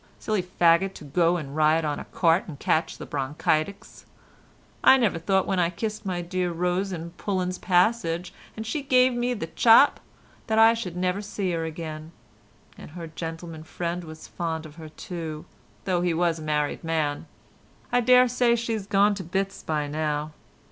Silly faggot to go and ride on a cart and catch the bronchitics. I never thought when I kissed my dear Rose in Pullen's Passage and she gave me the chop, that I should never see her again, and her gentleman friend was fond of her too, though he was a married man. I daresay she's gone to bits by now.